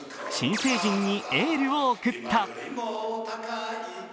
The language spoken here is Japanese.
新成人にエールを送った。